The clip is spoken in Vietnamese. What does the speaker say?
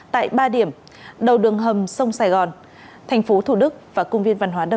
tại ba điểm đầu đường hầm sông sài gòn thành phố thủ đức và cung viên văn hóa đầm xen